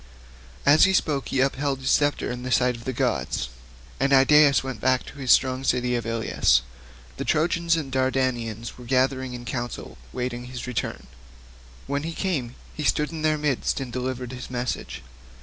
As he spoke he upheld his sceptre in the sight of all the gods, and Idaeus went back to the strong city of Ilius. The Trojans and Dardanians were gathered in council waiting his return; when he came, he stood in their midst and delivered his message.